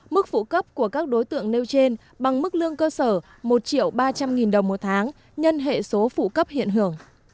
mức phụ cấp của các đối tượng nêu trên bằng mức lương cơ sở một ba trăm linh nghìn đồng một tháng nhân hệ số phụ cấp hiện hưởng